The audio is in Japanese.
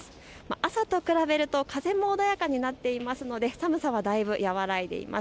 朝と比べると風も穏やかになっていますので、寒さはだいぶ和らいでいます。